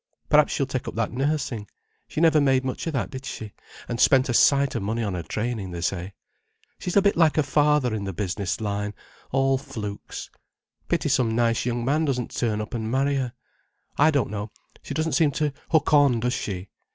Perhaps she'll take up that nursing. She never made much of that, did she—and spent a sight of money on her training, they say. She's a bit like her father in the business line—all flukes. Pity some nice young man doesn't turn up and marry her. I don't know, she doesn't seem to hook on, does she?